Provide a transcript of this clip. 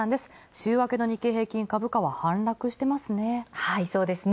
週明けの日経平均株価は反落してますね。